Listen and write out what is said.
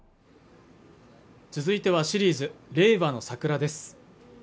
続いてはシリーズ「令和のサクラ」です